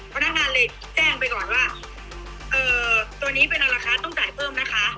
พนักงานเลยแจ้งไปก่อนว่าตัวนี้เป็นราคาต้องจ่ายเพิ่มนะคะ